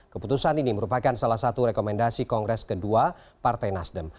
keputusan ini merupakan salah satu rekomendasi kongres kedua partai nasdem